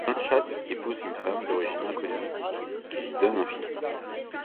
Donnchadh épouse une femme d'origine inconnue qui lui donne un fils.